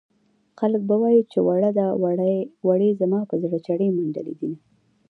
خلک به وايي چې وړه ده وړې زما په زړه چړې منډلې دينه